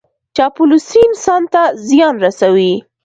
چاپلوسي انسان ته زیان رسوي.